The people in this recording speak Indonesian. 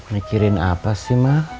mikirin apa sih ma